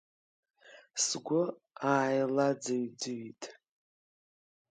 Сгәы ааилаӡыҩ-ӡыҩит.